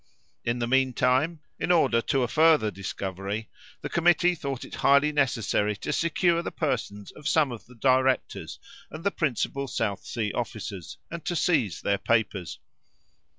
In the mean time, in order to a further discovery, the Committee thought it highly necessary to secure the persons of some of the directors and principal South Sea officers, and to seize their papers.